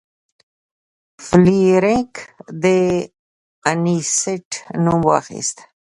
فلیریک د انیسټ نوم واخیست.